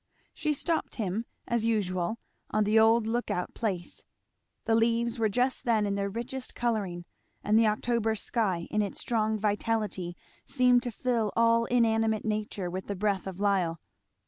She stopped him, as usual, on the old lookout place. The leaves were just then in their richest colouring; and the October sky in its strong vitality seemed to fill all inanimate nature with the breath of lile.